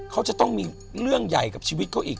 เขาจะต้องมีเรื่องใหญ่กับชีวิตเขาอีก